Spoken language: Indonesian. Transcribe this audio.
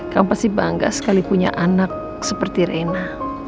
kamu pasti bangga sekali punya anak seperti rena